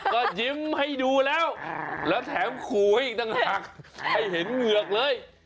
ก็ยิ้มให้ดูแล้วแล้วแถมขู่ให้อีกต่างหากให้เห็นเหงือกเลย